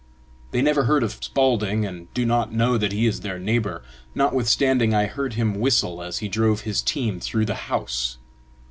They never heard of Spaulding, and do not know that he is their neighbor, notwithstanding I heard him whistle as he drove his team through the house.